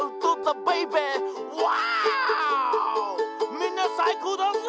「みんなさいこうだぜ！」